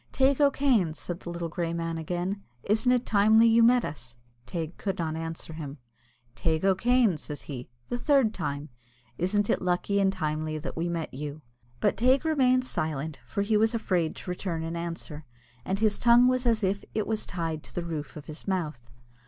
"Teig O'Kane," said the little grey man again, "isn't it timely you met us?" Teig could not answer him. "Teig O'Kane," says he, "the third time, isn't it lucky and timely that we met you?" But Teig remained silent, for he was afraid to return an answer, and his tongue was as if it was tied to the roof of his mouth.